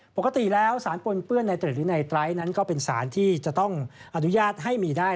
ปกติแล้วสารปนเปื้อนในตึกหรือในไตรนั้นก็เป็นสารที่จะต้องอนุญาตให้มีได้